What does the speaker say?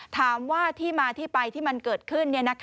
ถามว่าที่มาที่ไปที่มันเกิดขึ้น